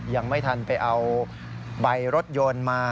ยังไม่ทันไปเอาใบรถยนต์มา